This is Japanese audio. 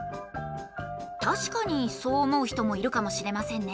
たしかにそう思う人もいるかもしれませんね。